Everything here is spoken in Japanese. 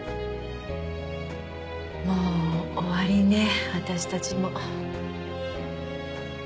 もう終わりね私たちも。